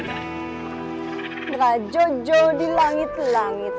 ngerajojo di langit langit